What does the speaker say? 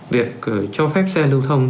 việc cho phép xe lưu thông